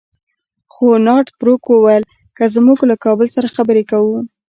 خو نارت بروک وویل که موږ له کابل سره خبرې کوو.